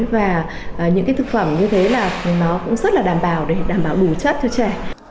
và những cái thực phẩm như thế là nó cũng rất là đảm bảo để đảm bảo đủ chất cho trẻ